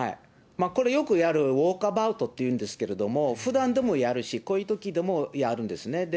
これ、よくやるウォーク・アバウトっていうんですけれども、ふだんでもやるし、こういうときでもやるんですね。